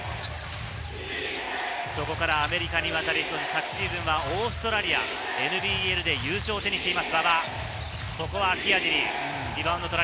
そこからアメリカに渡り、昨シーズンはオーストラリアＮＢＬで優勝しています、馬場。